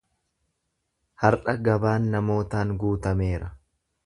Har’a gabaan namootaan guutameera.